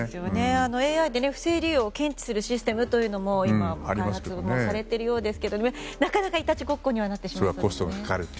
ＡＩで不正利用を検知するシステムも今、開発もされているようですがなかなかいたちごっこになっていますね。